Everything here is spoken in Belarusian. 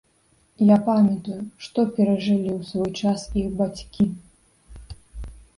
Я памятаю, што перажылі ў свой час іх бацькі.